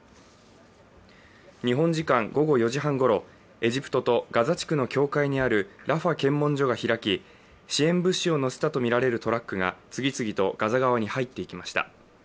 日本時間午後４時半ごろ、エジプトとガザ地区の境界にあるラファ検問所が開き支援物資を載せたとみられるトラックが次々とガザ側に入っていきました。